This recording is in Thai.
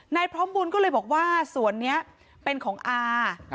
ในพร้อมบูนก็เลยบอกว่าส่วนเนี้ยเป็นเรือน้องอ